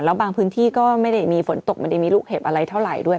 แล้วบางพื้นที่ก็ไม่ได้มีฝนตกไม่ได้มีลูกเห็บอะไรเท่าไหร่ด้วย